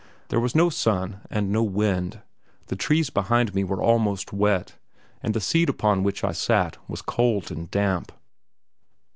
There was no sun and no wind; the trees behind me were almost wet, and the seat upon which I sat was cold and damp.